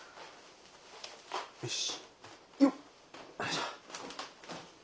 よし。